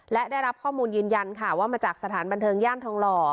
และได้รับข้อมูลยืนยันค่ะว่ามาจากสถานบันเทิงย่านทองหล่อ